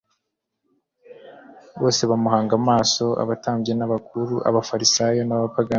Bose bamuhanga amaso. Abatambyi n'abakuru, abafarisayo n'abapagani,